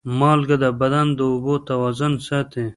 مالګه د بدن د اوبو توازن ساتي.